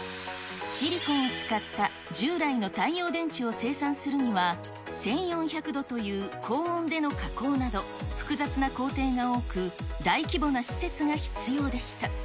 シリコンを使った従来の太陽電池を生産するには１４００度という高温での加工など、複雑な工程が多く、大規模な施設が必要でした。